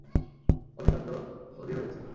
এ নিতান্ত অধীর হইয়াছে।